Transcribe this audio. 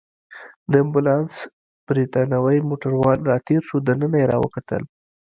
د امبولانس بریتانوی موټروان راتېر شو، دننه يې راوکتل.